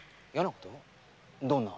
どんな？